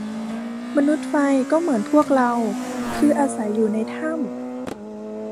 มนุษย์ไฟก็เหมือนพวกเรา คืออาศัยอยู่ในถ้ำ